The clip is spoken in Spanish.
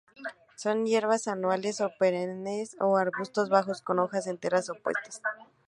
Son hierbas anuales o perennes o arbustos bajos con hojas enteras, opuestas.